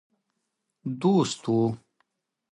دوست وو.